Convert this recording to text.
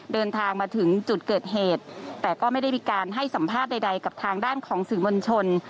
เดินทางมาถึงจุดเกิดเหตุแต่ก็ไม่ได้มีการให้สัมภาษณ์ใดกับทางด้านของสื่อมวลชน